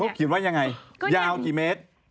ก็เข้าคิดว่ายังไงยาวกี่เมตร